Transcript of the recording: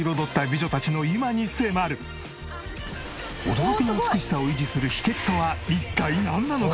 驚きの美しさを維持する秘訣とは一体なんなのか？